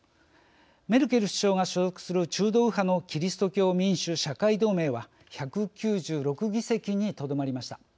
メルケル首相が所属する中道右派のキリスト教民主社会同盟は１９６議席にとどまりました。